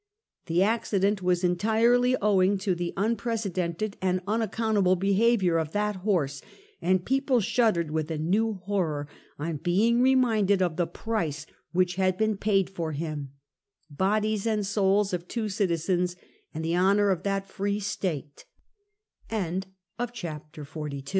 The accident was entirely owing to the unprece dented and unaccountable behavior of that horse, and people shuddered with a new horror on being reminded of the price which had been paid for him — bodies and souls of two citizens and the honor of that